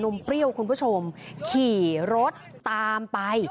เมื่อ